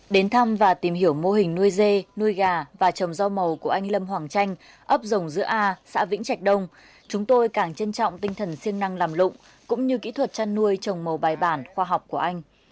đến thăm và tìm hiểu mô hình nuôi dê nuôi gà và trồng rau màu của anh lâm hoàng tranh ấp dòng giữa a xã vĩnh trạch đông chúng tôi càng trân trọng tinh thần siêng năng làm lụng cũng như kỹ thuật chăn nuôi trồng màu bài bản khoa học của anh